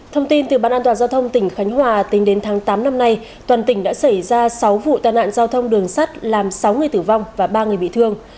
thông tin từ ban an toàn giao thông tỉnh khánh hòa tính đến tháng tám năm nay toàn tỉnh đã xảy ra sáu vụ tai nạn giao thông đường sắt làm sáu người tử vong và ba người bị thương